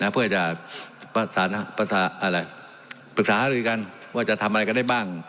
เพื่อจะปรึกษาหารือกันว่าจะทำอะไรกันได้บ้าง